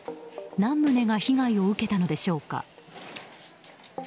何棟が被害を受けたのでしょうか。